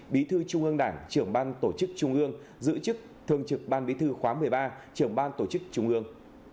bí thư trung ương đảng trưởng ban tổ chức trung ương giữ chức thường trực ban bí thư khóa một mươi ba trưởng ban tổ chức trung ương